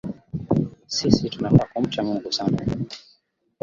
Sisi tunafaa kumcha Mungu sana